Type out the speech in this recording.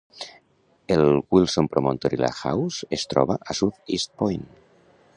El Wilsons Promontory Lighthouse es troba a South East Point.